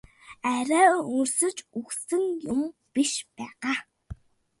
Арай өлсөж үхсэн юм биш байгаа?